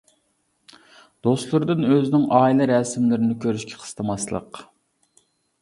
دوستلىرىدىن ئۆزىنىڭ ئائىلە رەسىملىرىنى كۆرۈشكە قىستىماسلىق.